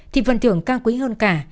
thì phần thưởng cao quý hơn cả